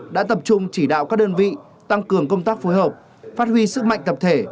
đã tập trung chỉ đạo các đơn vị tăng cường công tác phối hợp phát huy sức mạnh tập thể